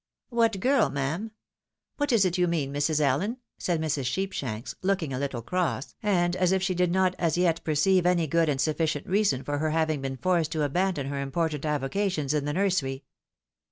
" What girl, ma'am? What is it you mean, Mrs. AUen? " said Mrs. Sheepshanks, looking a Uttle cross, and as if she did not as yet perceive any good and sufficient reason for her having been forced to abandon her important avocations in the nursery.